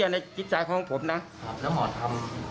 อย่าให้ตายได้